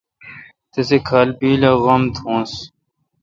تسے کھال پیل اے°غم تھونس۔